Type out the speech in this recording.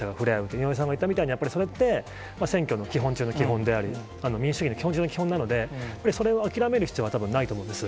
井上さんが言ったみたいに、やっぱりそれって、選挙の基本中の基本であり、民主主義の基本中の基本なので、それを諦める必要はないと思うんです。